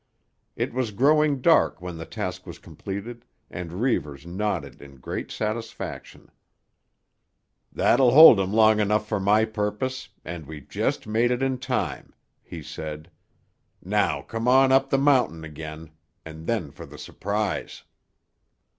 It was growing dark when the task was completed, and Reivers nodded in great satisfaction. "That'll hold 'em long enough for my purpose, and we just made it in time," he said. "Now come on up the mountain again, and then for the surprise."